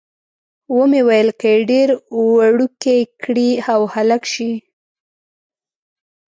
ومې ویل، که یې ډېره وړوکې کړي او هلک شي.